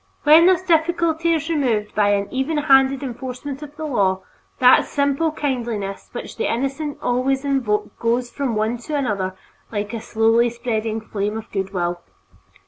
When this difficulty is removed by an even handed enforcement of the law, that simple kindliness which the innocent always evoke goes from one to another like a slowly spreading flame of good will.